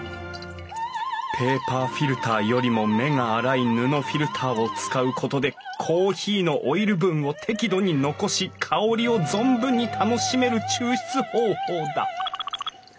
ペーパーフィルターよりも目が粗い布フィルターを使うことでコーヒーのオイル分を適度に残し香りを存分に楽しめる抽出方法だ！